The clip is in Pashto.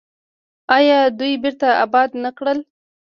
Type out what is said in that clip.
آیا دوی بیرته اباد نه کړل؟